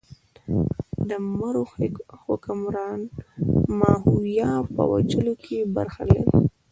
د مرو حکمران ماهویه په وژلو کې برخه لري.